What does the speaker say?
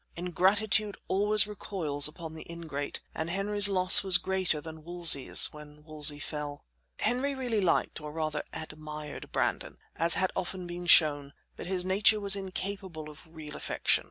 Ingratitude always recoils upon the ingrate, and Henry's loss was greater than Wolsey's when Wolsey fell. Henry really liked, or, rather, admired, Brandon, as had often been shown, but his nature was incapable of real affection.